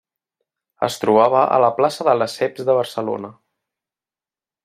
Es trobava a la plaça de Lesseps de Barcelona.